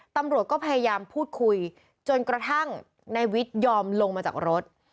ตำรวจก็พยายามพูดคุยจนกระทั่งนายวิทยอมลงมาจากรถ